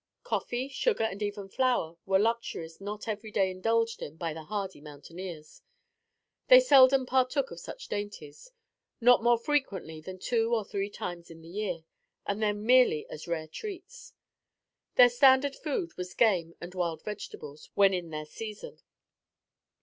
Coffee, sugar, and even flour, were luxuries not every day indulged in by the hardy mountaineers. They seldom partook of such dainties; not more frequently than two or three times in the year, and then, merely as rare treats. Their standard food was game and wild vegetables when in their season.